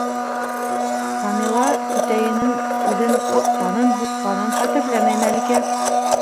Камила түтәйенең үҙен ҡаҡҡанын-һуҡҡанын хәтерләмәй Мәликә.